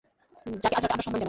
যাকে আজ রাতে আমরা সম্মান জানাব।